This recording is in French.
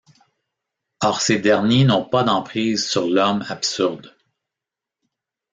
Or ces derniers n'ont pas d'emprise sur l'homme absurde.